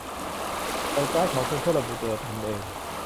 ใส่การ์ดของคุณเพื่อระบุตัวคุณเอง